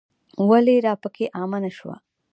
ولې راپکې عامه نه شوه.